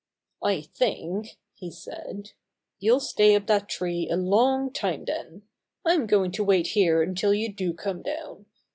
"I think," he said, "you'll stay up that tree a long time then. I'm going to wait here until you do come down.